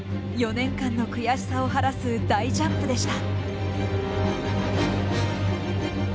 ４年間の悔しさを晴らす大ジャンプでした。